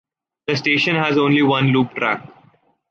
The station has only one loop track.